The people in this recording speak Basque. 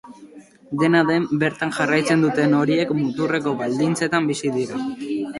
Dena den, bertan jarraitzen duten horiek muturreko baldintzetan bizi dira.